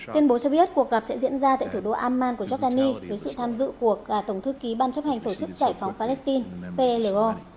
tuyên bố cho biết cuộc gặp sẽ diễn ra tại thủ đô amman của giordani với sự tham dự của tổng thư ký ban chấp hành tổ chức giải phóng palestine plo